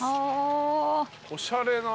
おしゃれな。